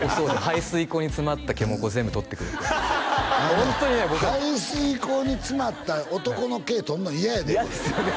排水溝に詰まった毛もこう全部取ってくれて排水溝に詰まった男の毛取るの嫌やで俺嫌ですよね